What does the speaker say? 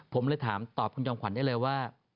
ผมเลยถามตอบคุณจอมขวัญได้เลยว่า